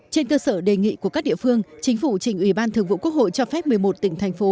trên cơ sở đề nghị của các địa phương chính phủ trình ủy ban thường vụ quốc hội cho phép một mươi một tỉnh thành phố